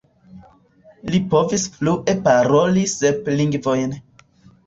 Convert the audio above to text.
Li povis flue paroli sep lingvojn.